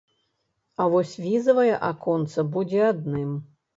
А вось візавае аконца будзе адным.